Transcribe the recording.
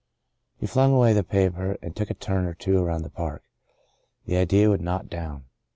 He flung away the paper, and took a turn or two around the park. The idea would not down.